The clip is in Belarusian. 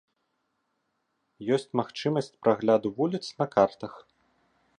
Ёсць магчымасць прагляду вуліц на картах.